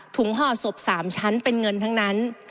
ห่อศพ๓ชั้นเป็นเงินทั้งนั้น